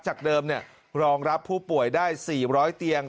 จากเดิมรองรับผู้ป่วยได้๔๐๐เตียง